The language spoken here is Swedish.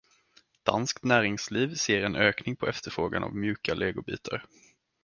Danskt näringsliv ser en ökning på efterfrågan av mjuka Legobitar.